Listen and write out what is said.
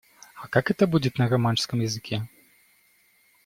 А как это будет на романшском языке?